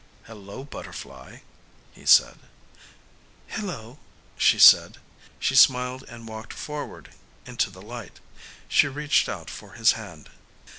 "Hello, butterfly," he said. "Hello," she said. She smiled and walked forward into the light. She reached out for his hand.